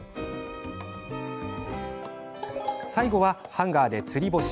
最後は、ハンガーでつり干し。